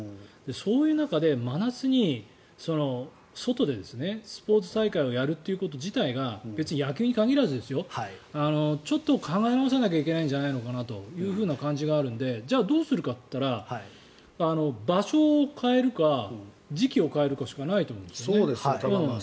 そういう中で真夏に外でスポーツ大会をやること自体が別に野球に限らずちょっと考え直さなきゃいけないんじゃないのかなという感じがあるのでじゃあどうするかといったら場所を変えるか時期を変えるしかないと思うんです。